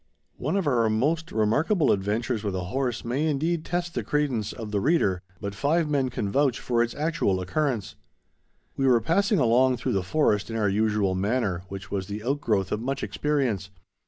One of our most remarkable adventures with a horse may indeed test the credence of the reader, but five men can vouch for its actual occurrence. We were passing along through the forest in our usual manner, which was the outgrowth of much experience.